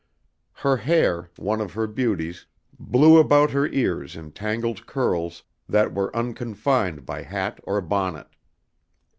Her hair, one of her beauties, blew about her ears in tangled curls that were unconfined by hat or bonnet.